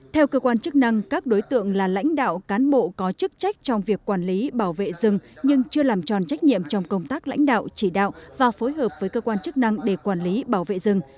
theo cơ quan chức năng các đối tượng là lãnh đạo cán bộ có chức trách trong việc quản lý bảo vệ rừng nhưng chưa làm tròn trách nhiệm trong công tác lãnh đạo chỉ đạo và phối hợp với cơ quan chức năng để quản lý bảo vệ rừng